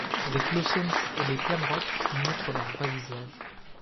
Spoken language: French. Les Clausens et les Klamroth montrent leurs vrais visages.